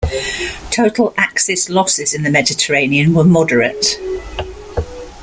Total Axis losses in the Mediterranean were moderate.